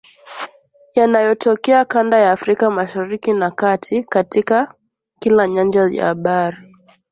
yanayotokea kanda ya Afrika Mashariki na Kati, katika kila nyanja ya habari